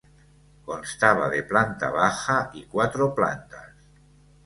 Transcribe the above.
Constaba de planta baja y cuatro plantas.